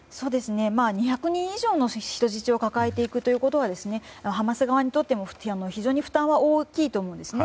２００人以上の人質を抱えていくということはハマス側にとっても非常に負担は大きいと思うんですね。